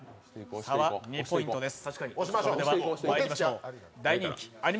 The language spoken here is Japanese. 差は２ポイントです。